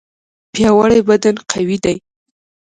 پیاوړی بدن قوي دی.